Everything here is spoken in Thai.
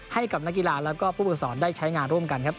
ให้กับนักกีฬาแล้วก็ผู้ฝึกสอนได้ใช้งานร่วมกันครับ